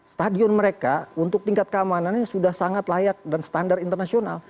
stadion mereka untuk tingkat keamanannya sudah sangat layak dan standar internasional